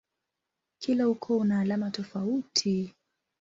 Kila ukoo una alama tofauti.